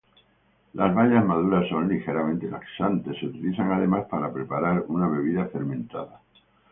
Las bayas maduras son ligeramente laxantes, se utilizan además para preparar una bebida fermentada.